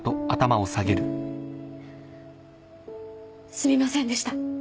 すみませんでした。